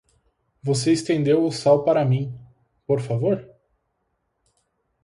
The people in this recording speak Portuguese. Você estendeu o sal para mim, por favor?